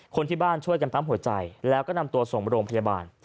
คนที่บ้านช่วยกันปั๊มหัวใจแล้วก็นำตัวส่งโรงพยาบาล